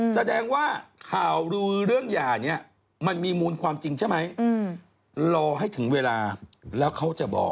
แสดงว่าข่าวลือเรื่องหย่าเนี่ยมันมีมูลความจริงใช่ไหมรอให้ถึงเวลาแล้วเขาจะบอก